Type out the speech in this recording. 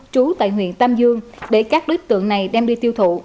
chú tại huyền tam dương để các đối tượng này đem đi tiêu thụ